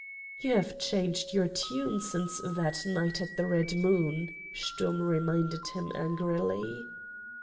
"You have changed your tune since that night at the Red Moon," Sturm reminded him, angrily.